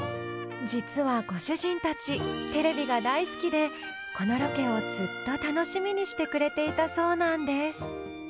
実はご主人たちテレビが大好きでこのロケをずっと楽しみにしてくれていたそうなんです